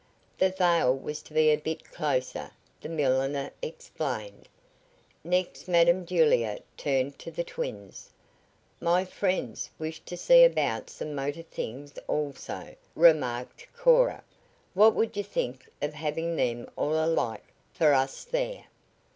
The veil was to be a bit closer, the milliner explained. Next Madam Julia turned to the twins. "My friends wish to see about some motor things, also," remarked Cora. "What would you think of having them all alike for us there?"